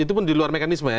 itu pun di luar mekanisme ya